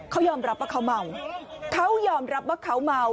เขายอมรับว่าเขาเมาเขายอมรับว่าเขาเมา